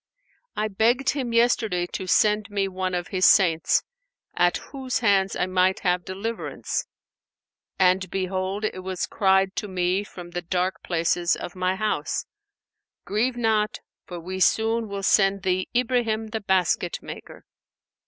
I begged Him yesterday to send me one of His saints, at whose hands I might have deliverance, and behold, it was cried to me from the dark places of my house, 'Grieve not; for we soon will send thee Ibrahim the Basket maker.'